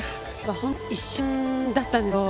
本当に一瞬だったんですけど。